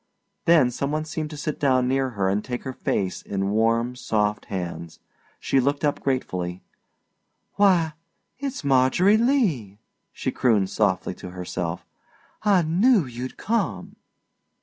Then some one seemed to sit down near her and take her face in warm, soft hands. She looked up gratefully. "Why it's Margery Lee," she crooned softly to herself. "I knew you'd come."